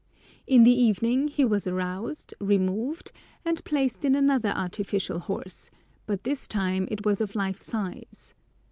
In the evening he was aroused, removed, and placed in another artificial horse, but this time it was of life size.